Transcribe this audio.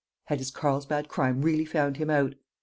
Had his Carlsbad crime really found him out?